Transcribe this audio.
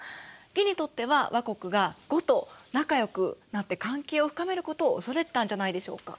魏にとっては倭国が呉と仲良くなって関係を深めることを恐れてたんじゃないでしょうか？